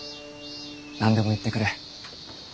何でも言ってくれ。